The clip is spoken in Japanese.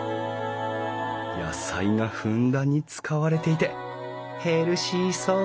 野菜がふんだんに使われていてヘルシーそう！